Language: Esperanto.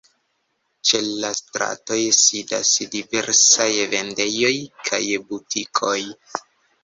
Ĉe la stratoj sidas diversaj vendejoj kaj butikoj.